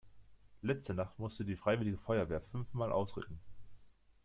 Letzte Nacht musste die freiwillige Feuerwehr fünfmal ausrücken.